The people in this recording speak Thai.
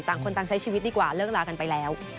ต่างคนต่างใช้ชีวิตดีกว่าเลิกลากันไปแล้ว